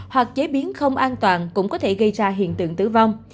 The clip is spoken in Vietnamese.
hoặc chế biến không an toàn cũng có thể gây ra hiện tượng tử vong